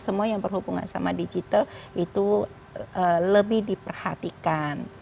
semua yang berhubungan sama digital itu lebih diperhatikan